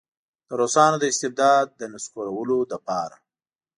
د روسانو د استبداد د نسکورولو لپاره.